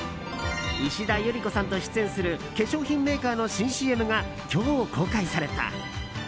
石田ゆり子さんと出演する化粧品メーカーの新ＣＭが今日、公開された。